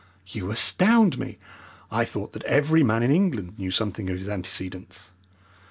"You astound me. I thought that every man in England knew something of his antecedents.